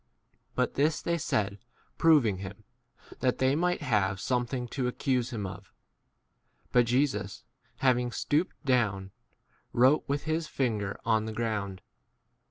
But this they said proving him, that they might have [something] to accuse him [of]. But Jesus, having stooped down, wrote with his finger on the 7 ground.